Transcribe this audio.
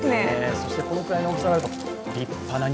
そしてこのくらいの大きさになると立派な庭。